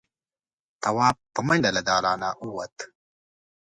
تواب په منډه له دالانه ووت.